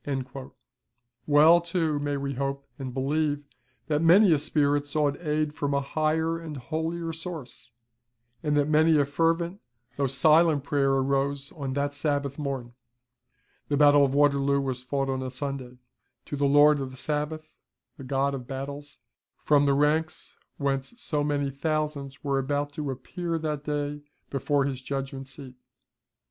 [Hellenica, lib. vii. c. v. s. 22.] Well, too, may we hope and believe that many a spirit sought aid from a higher and holier source; and that many a fervent though silent prayer arose on that Sabbath morn (the battle of Waterloo was fought on a Sunday) to the Lord of Sabaoth, the God of Battles, from the ranks, whence so many thousands were about to appear that day before his judgment seat.